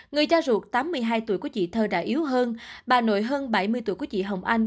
người cha ruột tám mươi hai tuổi của chị thơ đã yếu hơn bà nội hơn bảy mươi tuổi của chị hồng anh